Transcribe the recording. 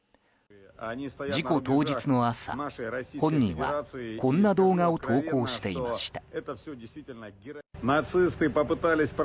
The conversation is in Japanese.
事故当日の朝、本人はこんな動画を投稿していました。